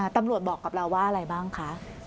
ตำรวจบอกกับเราว่าอะไรบ้างคะ